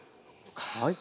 はい。